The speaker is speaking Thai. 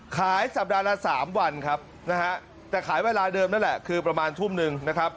ขายสัปดาห์ละ๓วันครับนะฮะแต่ขายเวลาเดิมนั่นแหละคือประมาณทุ่มหนึ่งนะครับ